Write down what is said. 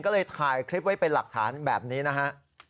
ก็เลยถ่ายคลิปไว้เป็นหลักฐานแบบนี้นะฮะ